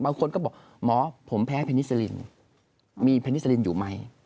บางคนก็บอกหมอผมแพ้เพนิสลินมีเพนิสลินอยู่ไหม